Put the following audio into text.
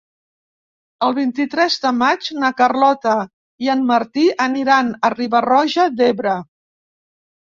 El vint-i-tres de maig na Carlota i en Martí aniran a Riba-roja d'Ebre.